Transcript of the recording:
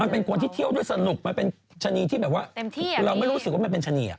เป็นคนที่เที่ยวด้วยสนุกมันเป็นชะนีที่แบบว่าเราไม่รู้สึกว่ามันเป็นชะนี